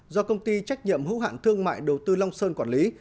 do công ty trách nhiệm hữu hạn thương mại đầu tư long sơn quản lý